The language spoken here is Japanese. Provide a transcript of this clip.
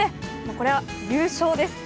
これはもう、優勝です。